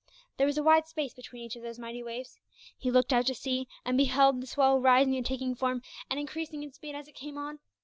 There was a wide space between each of those mighty waves. He looked out to sea, and beheld the swell rising and taking form, and increasing in speed as it came on.